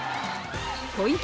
ポイント